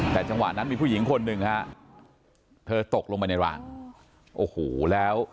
แต่จังหวะนั้นมีผู้หญิงคนหนึ่งฮะเธอตกลงไปในรางโอ้โหแล้ว